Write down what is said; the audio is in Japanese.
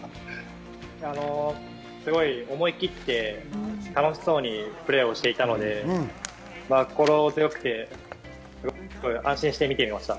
すごい思い切って楽しそうにプレーをしていたので心強くて安心して見ていました。